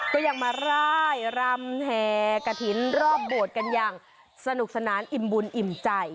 ก็ยังมาร่ายรำแห่กระถิ่นรอบโบสถ์กันอย่างสนุกสนานอิ่มบุญอิ่มใจ